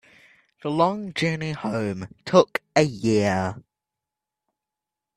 The long journey home took a year.